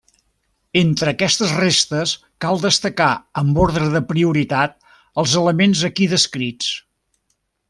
Entre aquestes restes cal destacar amb ordre de prioritat els elements aquí descrits.